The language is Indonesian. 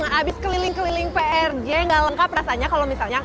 habis keliling keliling prj nggak lengkap rasanya kalau misalnya